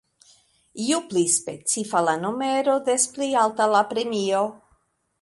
Ju pli specifa la numero, des pli alta la premio.